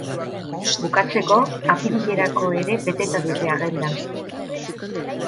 Bukatzeko, apirilerako ere beteta dute agenda.